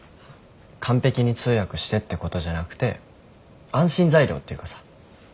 完璧に通訳してってことじゃなくて安心材料っていうかさ。